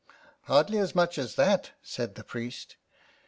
" Hardly as much as that," said the priest.